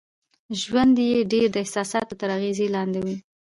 ژوند يې ډېر د احساساتو تر اغېز لاندې وي.